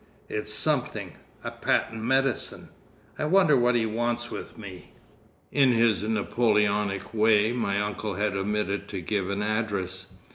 "It's something—. A patent medicine! I wonder what he wants with me." In his Napoleonic way my uncle had omitted to give an address.